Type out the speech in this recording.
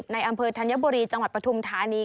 ในอำเภอธัญบุรีจังหวัดปฐุมธานี